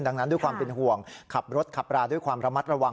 ดังนั้นด้วยความเป็นห่วงขับรถขับราด้วยความระมัดระวัง